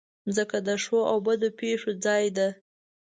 مځکه د ښو او بدو پېښو ځای ده.